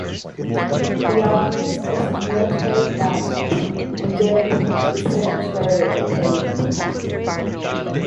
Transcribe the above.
The office is a military adviser and deputy to the Secretary of the Navy.